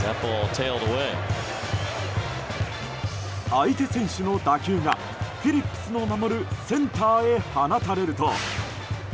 相手選手の打球がフィリップスの守るセンターへ放たれると。